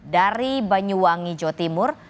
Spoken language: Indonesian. dari banyuwangi jawa timur